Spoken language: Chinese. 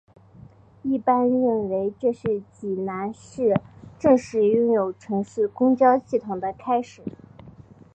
一般认为这是济南市正式拥有城市公交系统的开始。